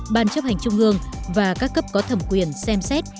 ban chấp hành trung ương và các cấp có thẩm quyền xem xét